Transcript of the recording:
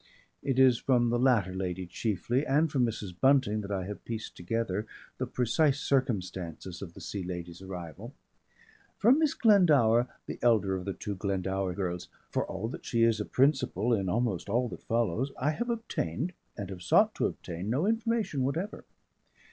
It is from the latter lady chiefly, and from Mrs. Bunting, that I have pieced together the precise circumstances of the Sea Lady's arrival. From Miss Glendower, the elder of two Glendower girls, for all that she is a principal in almost all that follows, I have obtained, and have sought to obtain, no information whatever.